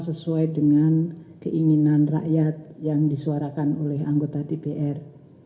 sesuai dengan keinginan rakyat yang disuarakan oleh anggota dpr